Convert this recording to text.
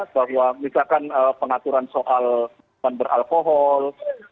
bahwa misalkan pengaturan soal penberalkohol